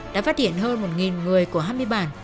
đã phát hiện hơn một người của hai mươi bản